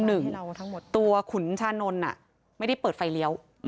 ตัวขุนชานนท์ไม่ได้เปิดไฟเลี้ยว